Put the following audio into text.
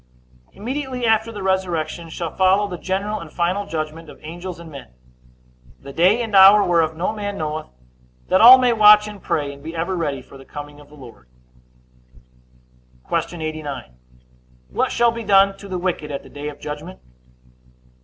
A. Immediately after the resurrection shall follow the general and final judgment of angels and men; the day and hour whereof no man knoweth, that all may watch and pray, and be ever ready for the coming of the Lord. Q. 89. What shall be done to the wicked at the day of judgment?